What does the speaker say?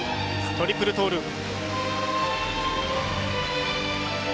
トリプルトーループ。